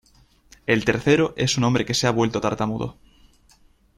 El tercero es un hombre que se ha vuelto tartamudo.